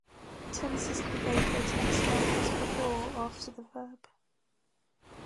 Tense is conveyed by tense markers before or after the verb.